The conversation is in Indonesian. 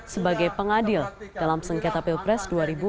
sebagai pengadil dalam sengketa pilpres dua ribu empat belas